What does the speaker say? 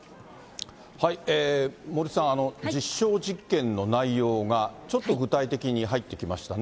森さん、実証実験の内容がちょっと具体的に入ってきましたね。